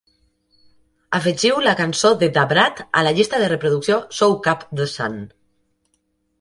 Afegiu la cançó de da brat a la llista de reproducció Soak Up The Sun.